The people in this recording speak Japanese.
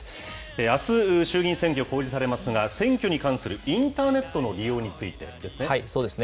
あす、衆議院選挙、公示されますが、選挙に関するインターネットそうですね。